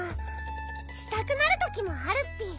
したくなるときもあるッピ。